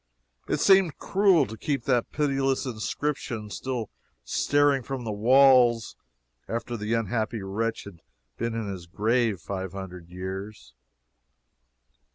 It seemed cruel to keep that pitiless inscription still staring from the walls after the unhappy wretch had been in his grave five hundred years.